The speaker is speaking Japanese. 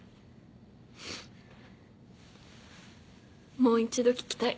もう一度聴きたい。